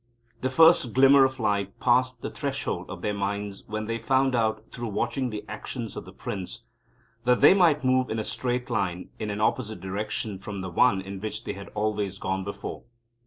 The first glimmer of light passed the threshold of their minds when they found out, through watching the actions of the Prince, that they might move in a straight line in an opposite direction from the one in which they had always gone before.